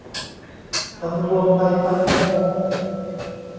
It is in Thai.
สำรวมในปาฏิโมกข์